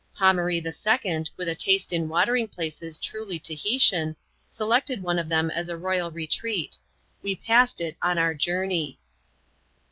Fomaree IL, with a taste in watering places truly Tahitian, selected one of them as a royal retreat. We passed it on our journey.